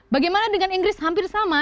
bagaimana dengan inggris hampir sama